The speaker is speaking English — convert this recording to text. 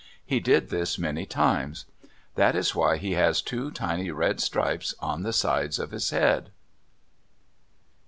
He did this many times. That is why he has two tiny red stripes on the sides of his head.